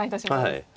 はい。